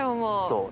そう。